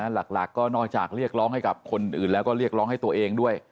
หลักก็นอกจากเรียกร้องให้กับคนอื่นแล้วก็เรียกร้องให้ตัวเองด้วย